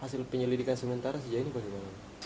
hasil penyelidikan sementara sejauh ini bagaimana